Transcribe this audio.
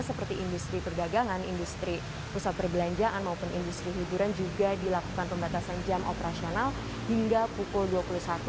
seperti industri perdagangan industri pusat perbelanjaan maupun industri hiburan juga dilakukan pembatasan jam operasional hingga pukul dua puluh satu